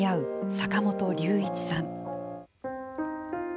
坂本龍一さん。